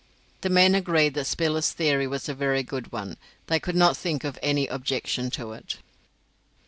The men agreed that Spiller's theory was a very good one; they could not think of any objection to it.